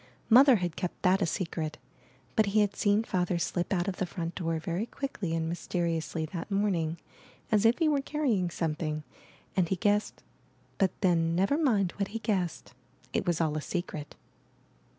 Mother had kept that a secret, but he had seen Father slip out of the front door very quickly and mys teriously that morning as if he were carrying some thing, and he guessed — but then, never mind what he guessed — it was all a secret.